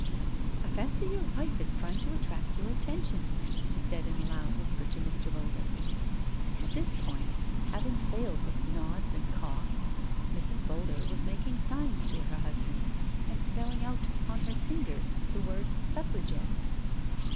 " I fancy your wife is trying to attract your atten tion," she said in a loud whisper to Mr. Boulder. xgt NO SURRENDER At this point, having failed with nods and coughs, Mrs. Boulder was making signs to her husband and spelling out on her fingers the word " Suffragettes."